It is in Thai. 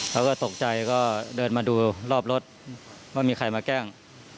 เขาก็ตกใจก็เดินมาดูรอบรถว่ามีใครมาแกล้ง